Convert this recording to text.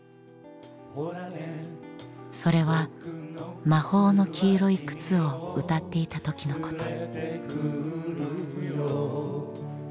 それは「魔法の黄色い靴」を歌っていた時のこと。